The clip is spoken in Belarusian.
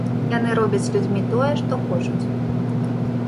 Яны робяць з людзьмі тое, што хочуць.